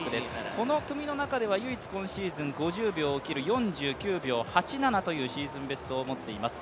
この組の中では唯一今シーズン５０秒を切る、４９秒８７というシーズンベストを持っています。